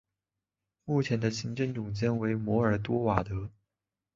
目前的行政总监为摩尔多瓦的。